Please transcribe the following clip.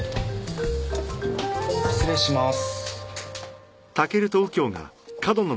失礼します。